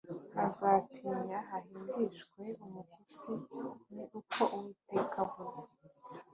hazatinya hahindishwe umushyitsi ni uko uwiteka avuze